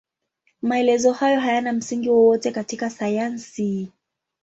Maelezo hayo hayana msingi wowote katika sayansi.